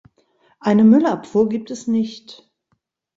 Eine Müllabfuhr gibt es nicht.